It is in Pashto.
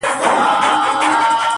واک د زړه مي عاطفو ته ور کی یاره